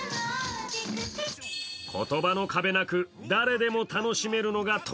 言葉の壁なく誰でも楽しめるＮＯＡＡＧ